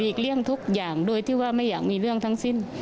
เลี่ยงทุกอย่างโดยที่ว่าไม่อยากมีเรื่องทั้งสิ้น